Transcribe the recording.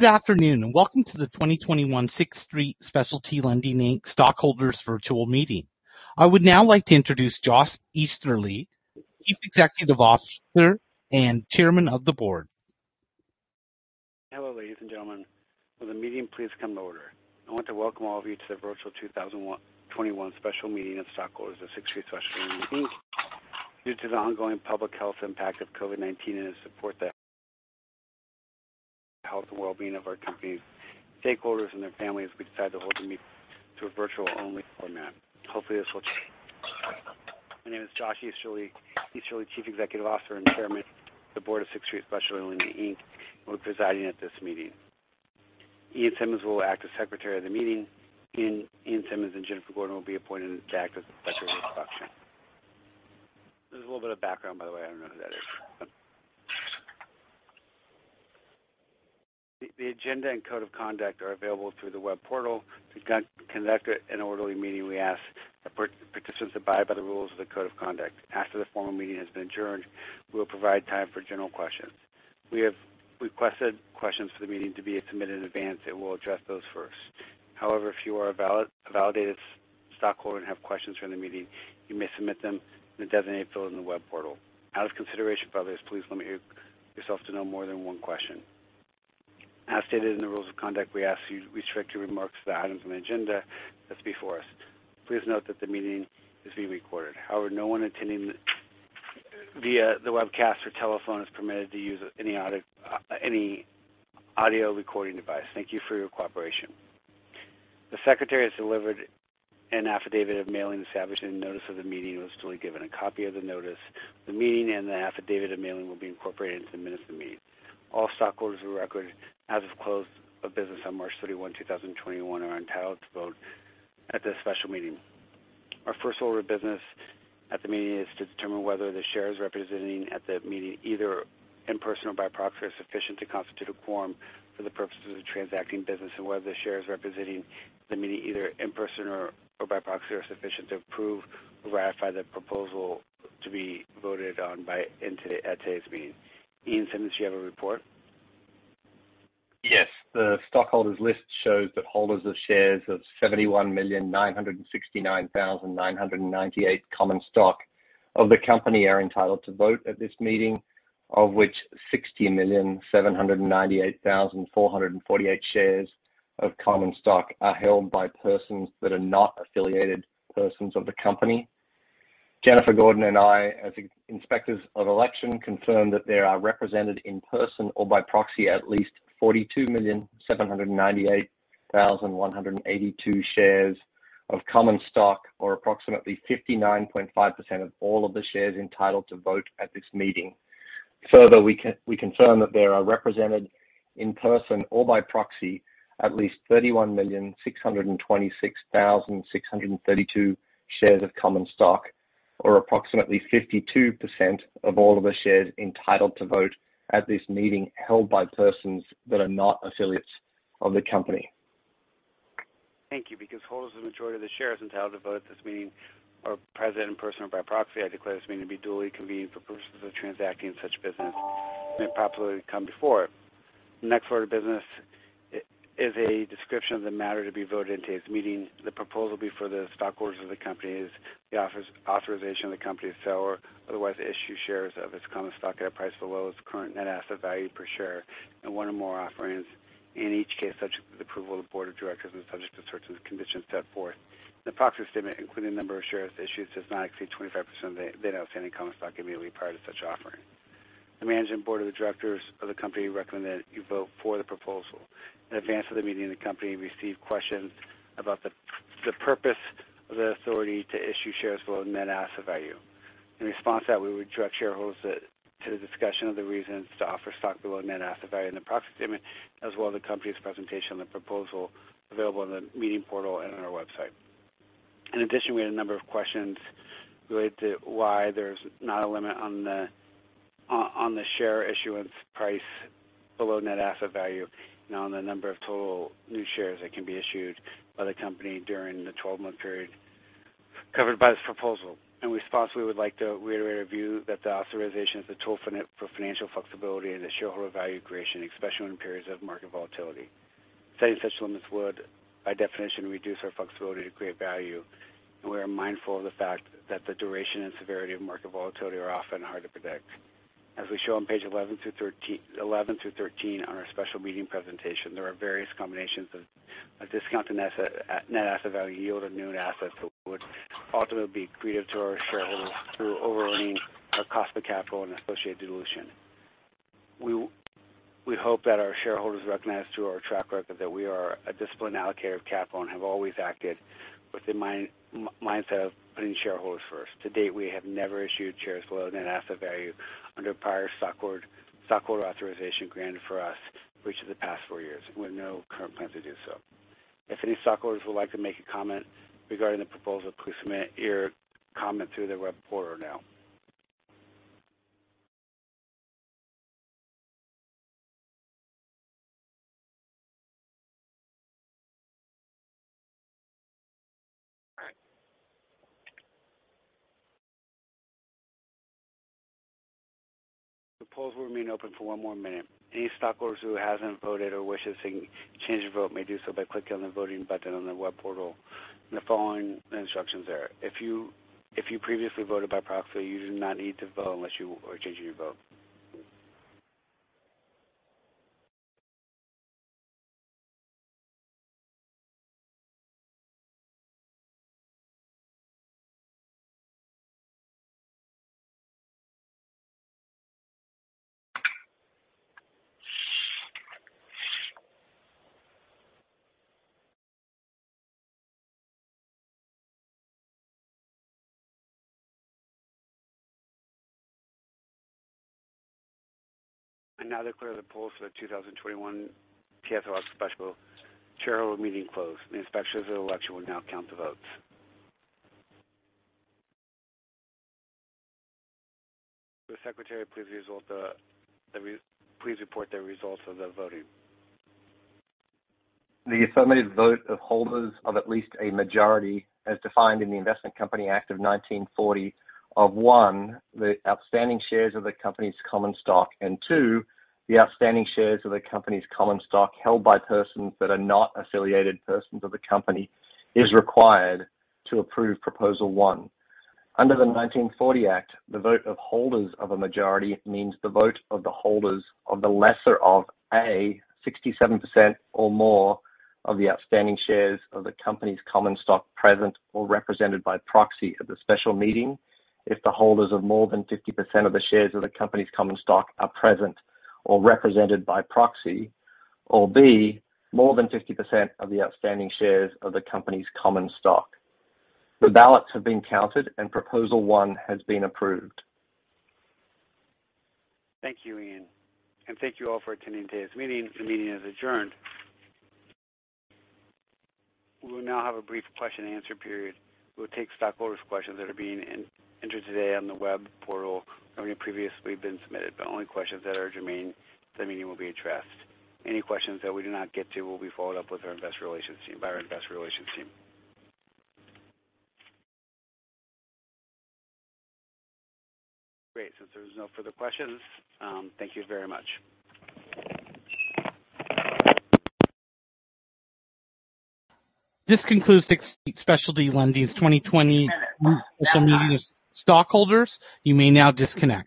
Good afternoon, and welcome to the 2021 Sixth Street Specialty Lending Inc. Stockholders Virtual Meeting. I would now like to introduce Joshua Easterly, Chief Executive Officer and Chairman of the Board. Hello, ladies and gentlemen. Will the meeting please come to order. I want to welcome all of you to the virtual 2021 special meeting of stockholders of Sixth Street Specialty Lending, Inc. Due to the ongoing public health impact of COVID-19 and in support of the health and well-being of our company stakeholders and their families, we decided to hold the meeting through a virtual-only format. Hopefully, this will change. My name is Joshua Easterly, Chief Executive Officer and Chairman of the Board of Sixth Street Specialty Lending, Inc., and will be presiding at this meeting. Ian Simmonds will act as Secretary of the meeting, and Ian Simmonds and Jennifer Gordon will be appointed to act as Inspector of Election. There's a little bit of background, by the way. I don't know who that is. The agenda and code of conduct are available through the web portal. To conduct an orderly meeting, we ask that participants abide by the rules of the code of conduct. After the formal meeting has been adjourned, we will provide time for general questions. We have requested questions for the meeting to be submitted in advance, and we'll address those first. However, if you are a validated stockholder and have questions during the meeting, you may submit them in the designated field in the web portal. Out of consideration for others, please limit yourself to no more than one question. As stated in the rules of conduct, we ask you to restrict your remarks to the items on the agenda that's before us. Please note that the meeting is being recorded. However, no one attending via the webcast or telephone is permitted to use any audio recording device. Thank you for your cooperation. The Secretary has delivered an affidavit of mailing establishing the notice of the meeting was duly given. A copy of the notice of the meeting and the affidavit of mailing will be incorporated into the minutes of the meeting. All stockholders of record as of close of business on March 31, 2021, are entitled to vote at this special meeting. Our first order of business at the meeting is to determine whether the shares represented at the meeting, either in person or by proxy, are sufficient to constitute a quorum for the purposes of transacting business and whether the shares represented at the meeting, either in person or by proxy, are sufficient to approve or ratify the proposal to be voted on at today's meeting. Ian Simmonds, do you have a report? Yes. The stockholders' list shows that holders of shares of 71,969,998 common stock of the company are entitled to vote at this meeting, of which 60,798,448 shares of common stock are held by persons that are not affiliated persons of the company. Jennifer Gordon and I, as Inspectors of Election, confirm that there are represented in person or by proxy at least 42,798,182 shares of common stock, or approximately 59.5% of all of the shares entitled to vote at this meeting. Further, we confirm that there are represented in person or by proxy at least 31,626,632 shares of common stock, or approximately 52% of all of the shares entitled to vote at this meeting held by persons that are not affiliates of the company. Thank you. Because holders of a majority of the shares entitled to vote at this meeting are present in person or by proxy, I declare this meeting to be duly convened for purposes of transacting such business as may properly come before it. The next order of business is a description of the matter to be voted in today's meeting. The proposal before the stockholders of the company is the authorization of the company to sell or otherwise issue shares of its common stock at a price below its current net asset value per share in one or more offerings. In each case, subject to the approval of the Board of Directors and subject to such conditions set forth in the proxy statement, including the number of shares issued, does not exceed 25% of the then outstanding common stock immediately prior to such offering. The management board of Directors of the Company recommend that you vote for the Proposal. In advance of the meeting, the Company received questions about the purpose of the authority to issue shares below net asset value. In response to that, we would direct shareholders to the discussion of the reasons to offer stock below net asset value in the proxy statement, as well as the Company's presentation on the Proposal available in the meeting portal and on our website. In addition, we had a number of questions related to why there's not a limit on the share issuance price below net asset value and on the number of total new shares that can be issued by the Company during the 12-month period covered by this Proposal. In response, we would like to reiterate our view that the authorization is a tool for financial flexibility and shareholder value creation, especially in periods of market volatility. Setting such limits would, by definition, reduce our flexibility to create value, and we are mindful of the fact that the duration and severity of market volatility are often hard to predict. As we show on page 11 through 13 on our special meeting presentation, there are various combinations of a discount to net asset value yield and new assets that would ultimately be accretive to our shareholders through overwhelming our cost of capital and associated dilution. We hope that our shareholders recognize through our track record that we are a disciplined allocator of capital and have always acted with the mindset of putting shareholders first. To date, we have never issued shares below net asset value under prior stockholder authorization granted for us for each of the past four years. We have no current plans to do so. If any stockholders would like to make a comment regarding the proposal, please submit your comment through the web portal now. The polls will remain open for one more minute. Any stockholder who hasn't voted or wishes to change their vote may do so by clicking on the voting button on their web portal. The following instructions there. If you previously voted by proxy, you do not need to vote unless you want to change your vote. Now declare the polls for the 2021 TSLX special shareholder meeting closed. The Inspector of Election will now count the votes. Will the Secretary please report the results of the voting? The affirmative vote of holders of at least a majority, as defined in the Investment Company Act of 1940, of, one, the outstanding shares of the company's common stock, and two, the outstanding shares of the company's common stock held by persons that are not affiliated persons of the company is required to approve Proposal One. Under the 1940 Act, the vote of holders of a majority means the vote of the holders of the lesser of, A, 67% or more of the outstanding shares of the company's common stock present or represented by proxy at the special meeting if the holders of more than 50% of the shares of the company's common stock are present or represented by proxy, or B, more than 50% of the outstanding shares of the company's common stock. The ballots have been counted and Proposal One has been approved. Thank you, Ian, and thank you all for attending today's meeting. This meeting is adjourned. We will now have a brief question and answer period. We will take stockholders' questions that are being entered today on the web portal or may previously been submitted, but only questions that are germane to the meeting will be addressed. Any questions that we do not get to will be followed up by our investor relations team. Great. Since there's no further questions, thank you very much. This concludes Sixth Street Specialty Lending's 2021 Special Meeting of Stockholders. You may now disconnect.